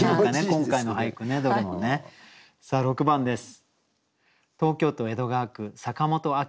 さあ６番です。